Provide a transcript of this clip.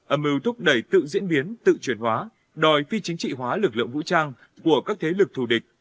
âm mưu thúc đẩy tự diễn biến tự chuyển hóa đòi phi chính trị hóa lực lượng vũ trang của các thế lực thù địch